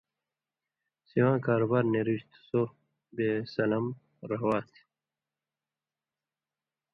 سِواں کاروبار نېرُژیۡ تھُو خو بیع سَلَم روا تھی۔